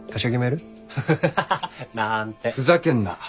ふざけんな。